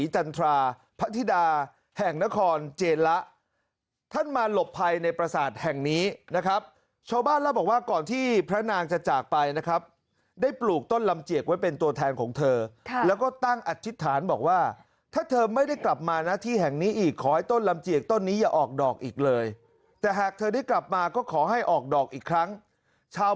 จันทราพระธิดาแห่งนครเจนละท่านมาหลบภัยในประสาทแห่งนี้นะครับชาวบ้านเล่าบอกว่าก่อนที่พระนางจะจากไปนะครับได้ปลูกต้นลำเจียกไว้เป็นตัวแทนของเธอแล้วก็ตั้งอธิษฐานบอกว่าถ้าเธอไม่ได้กลับมานะที่แห่งนี้อีกขอให้ต้นลำเจียกต้นนี้อย่าออกดอกอีกเลยแต่หากเธอได้กลับมาก็ขอให้ออกดอกอีกครั้งชาว